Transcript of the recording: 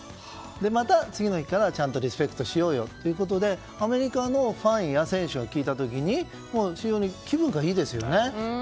また次の日から、またリスペクトしようということでアメリカのファンや選手が聞いた時に非常に気分がいいですよね。